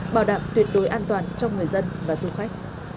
bảo đảm tuyệt đối an toàn cho người dân và du khách